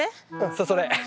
そうそれ。